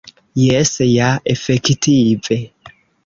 Jes ja, efektive.